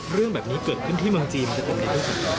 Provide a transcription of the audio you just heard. เรื่องแบบนี้เกิดขึ้นที่เมืองจีนมันจะเป็นยังไงบ้าง